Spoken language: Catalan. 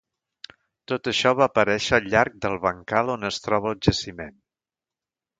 Tot això va aparèixer al llarg del bancal on es troba el jaciment.